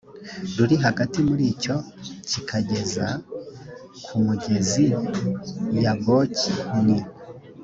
ruri hagati muri cyo kikageza ku mugezi yaboki ni